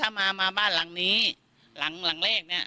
อาจมาบ้านหลังนี้หลังแรก